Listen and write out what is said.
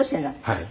はい。